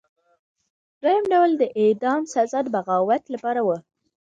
دویم ډول د اعدام سزا د بغاوت لپاره وه.